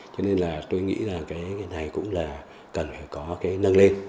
cho nên là tôi nghĩ là cái này cũng là cần phải có cái nâng lên